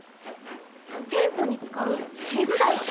テントに使うペグだよ。